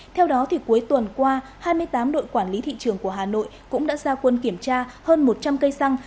theo đó cuối tuần qua hai mươi tám đội quản lý thị trường của hà nội cũng đã ra quân kiểm tra hơn một trăm linh cây xăng